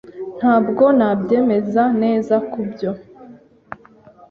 Ntabwo nabyemeza neza kubyo.